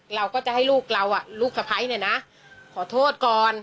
เราก็จะให้ลูกเราลูกสะพ้ายเนี่ยนะขอโทษก่อน